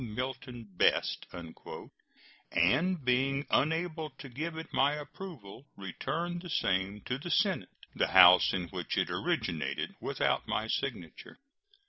Milton Best," and, being unable to give it my approval, return the same to the Senate, the House in which it originated, without my signature.